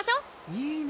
いいね！